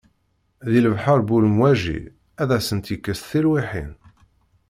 Di lebḥer bu lemwaji, ad asent-yekkes tilwiḥin.